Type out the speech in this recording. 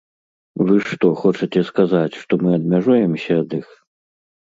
Вы што, хочаце сказаць, што мы адмяжуемся ад іх?